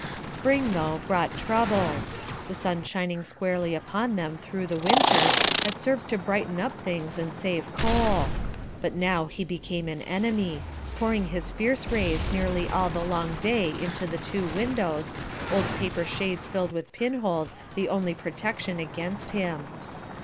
Spring, though, brought troubles; the sun shining squarely upon them through the winter had served to brighten up things and save coal; but now he became an enemy, pouring his fierce rays nearly all the long day into the two windows, old paper shades filled with pin holes the only protection against him.